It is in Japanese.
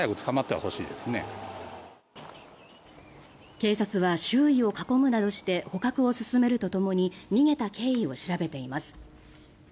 警察は周囲を囲むなどして捕獲を進めるとともに逃げた経緯を調べています。